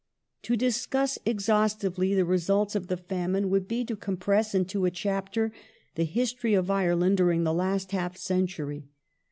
To discuss exhaustively the results of the famine would be to compress into a chapter the history of Ireland during the last half century.